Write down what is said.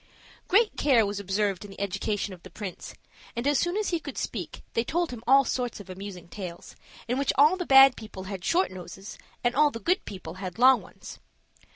Great care was observed in the education of the prince; and as soon as he could speak they told him all sorts of amusing tales, in which all the bad people had short noses, and all the good people had long ones.